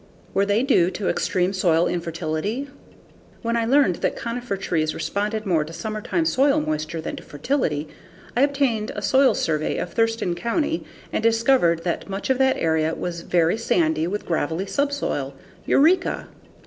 Were they due to extreme soil infertility? Then I learned that conifer trees respond more to summertime soil moisture than to fertility. I obtained a soil survey of Thurston County and discovered that much of that area was very sandy with gravelly subsoil. Eureka!